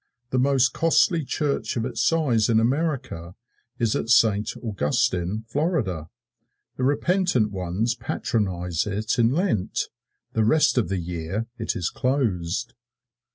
The most costly church of its size in America is at Saint Augustine, Florida. The repentant ones patronize it in Lent; the rest of the year it is closed.